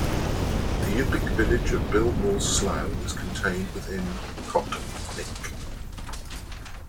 The Yupik village of Bill Moore's Slough is contained within Kotlik.